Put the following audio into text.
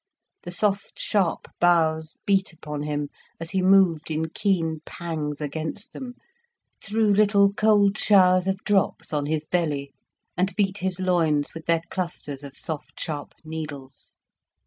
The soft sharp boughs beat upon him, as he moved in keen pangs against them, threw little cold showers of drops on his belly, and beat his loins with their clusters of soft sharp needles.